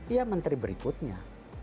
ya menteri berikutnya